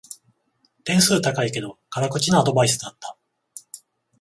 点数高いけど辛口なアドバイスだった